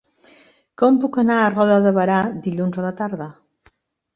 Com puc anar a Roda de Berà dilluns a la tarda?